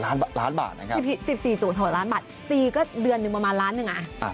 ๑๔๖ซานล้านบาทนะครับ